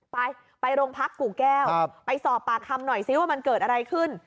ไปไปโรงพักกู่แก้วไปสอบปากคำหน่อยซิว่ามันเกิดอะไรขึ้น